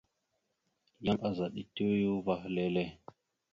Yan azaɗ etew ya uvah lele.